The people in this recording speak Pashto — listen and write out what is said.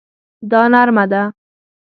دا نرمه ده